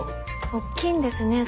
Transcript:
おっきいんですね